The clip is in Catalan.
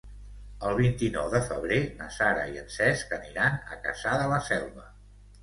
El vint-i-nou de febrer na Sara i en Cesc aniran a Cassà de la Selva.